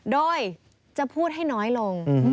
โดยจะพูดให้น้อยลง